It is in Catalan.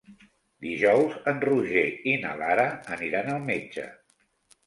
Dijous en Roger i na Lara aniran al metge.